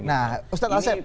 nah ustadz asep